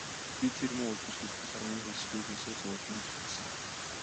Би тэр муу үйлдвэрт хэдэн сар үнэ хөлсгүй хөлсөө цувуулан зүтгэсэн.